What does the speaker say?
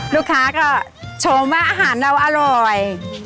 ลูกค้าก็ชมว่าอาหารเราอร่อย